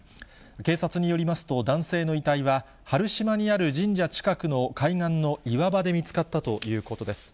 警察によりますと、男性の遺体は、原島にある神社近くの海岸の岩場で見つかったということです。